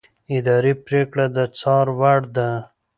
اداري پرېکړه د څار وړ ده.